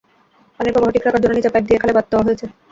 পানির প্রবাহ ঠিক রাখার জন্য নিচে পাইপ দিয়ে খালে বাঁধ দেওয়া হয়েছে।